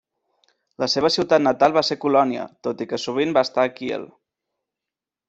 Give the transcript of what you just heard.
La seva ciutat natal va ser Colònia, tot i que sovint va estar a Kiel.